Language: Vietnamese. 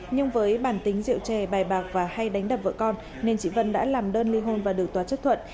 nhưng với bản tính rượu trè bài bạc và hay đánh đập vợ con nên chị vân đã làm đơn li hôn và được tòa chức thuận